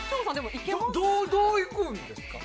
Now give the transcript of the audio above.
どういくんですか？